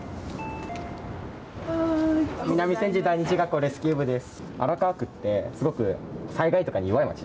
南千住第二中学校レスキュー部です。